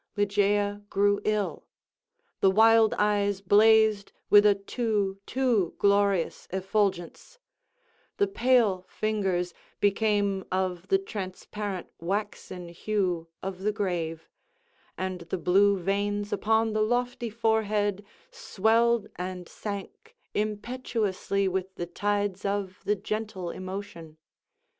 Ligeia grew ill. The wild eyes blazed with a too—too glorious effulgence; the pale fingers became of the transparent waxen hue of the grave; and the blue veins upon the lofty forehead swelled and sank impetuously with the tides of the gentle emotion.